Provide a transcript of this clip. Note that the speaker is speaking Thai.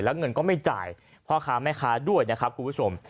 แล้วเงินก็ไม่จ่ายพ่อค้าแม่ค้าด้วยนะครับคุณผู้ชม